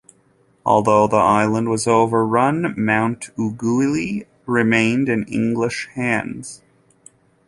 Although the island was overrun, Mont Orgueil remained in English hands.